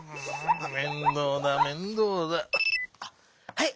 はい。